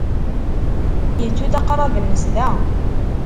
Yettu-d aqrab-nnes da.